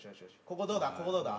ここどうだ？